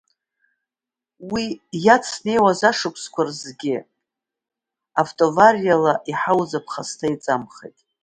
Уи иацнеиуаз ашықәсқәа рызгьы автоавариала иҳауз аԥхасҭа еиҵамхеит.